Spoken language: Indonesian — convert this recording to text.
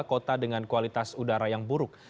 kota dengan kualitas udara yang buruk